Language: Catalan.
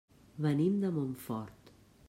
Venim de Montfort.